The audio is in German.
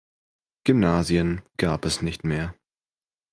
Gymnasien gab es nicht mehr.